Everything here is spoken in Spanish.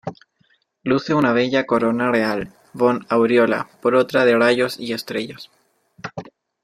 Luce una bella corona real von aureola por otra de rayos y estrellas.